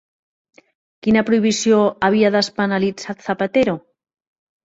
Quina prohibició havia despenalitzat Zapatero?